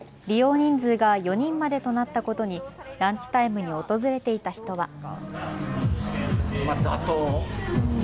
利用人数が４人までとなったことにランチタイムに訪れていた人は。